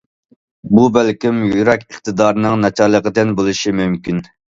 بۇ بەلكىم يۈرەك ئىقتىدارىنىڭ ناچارلىقىدىن بولۇشى مۇمكىن.